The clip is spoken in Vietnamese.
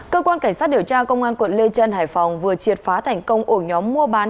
cơ quan cảnh sát điều tra công an quận lê trân hải phòng vừa triệt phá thành công ổ nhóm mua bán